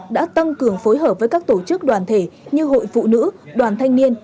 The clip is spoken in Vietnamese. đã tăng cường phối hợp với các tổ chức đoàn thể như hội phụ nữ đoàn thanh niên